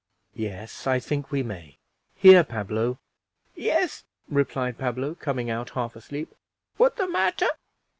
"Yes, I think we may. Here, Pablo!" "Yes," replied Pablo, coming out half asleep; "what the matter?